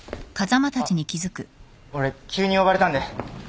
あっ俺急に呼ばれたんで。